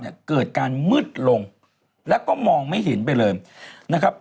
เกิดการมืดลงแล้วก็มองไม่เห็นไปเลยนะครับ